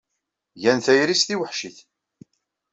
Gan tayri s tiwweḥcit.